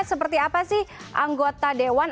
seperti apa sih anggota dewan